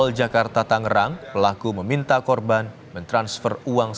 kejadian bermula saat korban memesak kembali ke tempat yang tidak terdapat perangkap